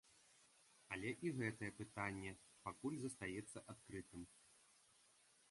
Але і гэтае пытанне пакуль застаецца адкрытым.